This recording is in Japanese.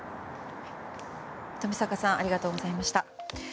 冨坂さんありがとうございました。